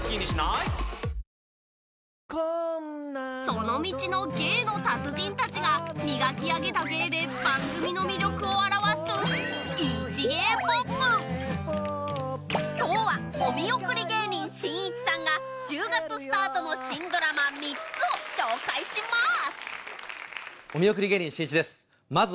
その道の芸の達人たちが磨き上げた芸で番組の魅力を表す今日はお見送り芸人しんいちさんが１０月スタートの新ドラマ３つを紹介します！